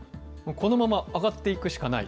このまま上がっていくしかない。